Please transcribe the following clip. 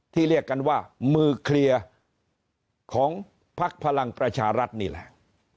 เรียกกันว่ามือเคลียร์ของพักพลังประชารัฐนี่แหละ